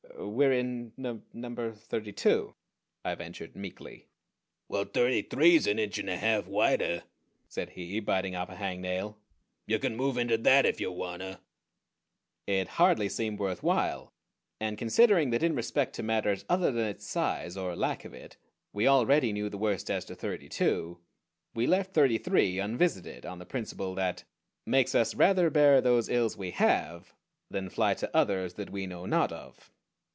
"We're in nun number thirty two," I ventured meekly. "Well, thirty three's an inch and a half wider," said he, biting off a hang nail. "Ya can move inta that if ya wanta." It hardly seemed worth while, and considering that in respect to matters other than its size, or lack of it, we already knew the worst as to thirty two, we left thirty three unvisited on the principle that makes us rather bear those ills we have Than fly to others that we know not of.